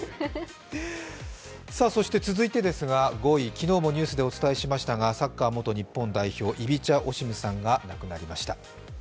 そして続いてですが５位、昨日もニュースでお伝えしましたがサッカー元日本代表、イビチャ・オシムさんが亡くなりました。